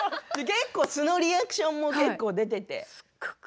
結構、素のリアクションも出ていて。